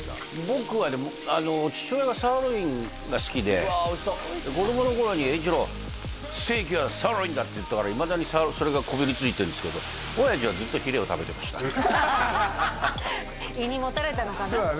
僕はでも父親がサーロインが好きで子供の頃に英一郎ステーキはサーロインだ！って言ったからいまだにそれがこびりついてるんですけど親父はずっとヒレを食べてました胃にもたれたのかな？